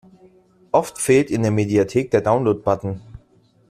Oft fehlt in der Mediathek der Download-Button.